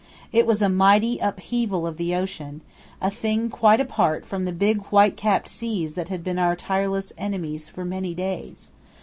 It was a mighty upheaval of the ocean, a thing quite apart from the big white capped seas that had been our tireless enemies for many days.